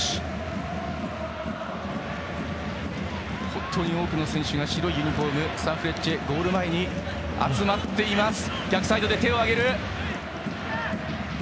本当に多くの選手が白いユニフォームのサンフレッチェゴール前に集まっています。